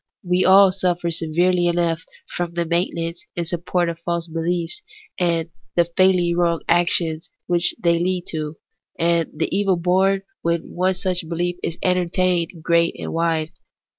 We all sufier severely enough from the maintenance and support of false beliefs and the fatally wrong actions which they lead to, and the evil born when one such belief is entertained is great and wide.